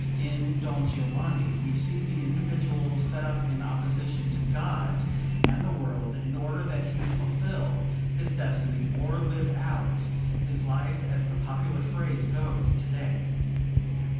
In "Don Giovanni" we see the individual set up in opposition to God and the world, in order that he fulfill his destiny, or live out his life, as the popular phrase goes today.